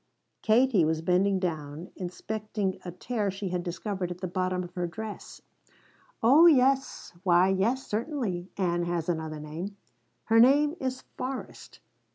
Katie was bending down inspecting a tear she had discovered at the bottom of her dress. "Oh yes, why yes, certainly, Ann has another name. Her name is Forrest.